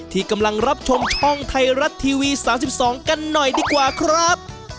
ที่กำลังรับชมช่องไทยรัฐทีวี๓๒กันหน่อยดีกว่าครับ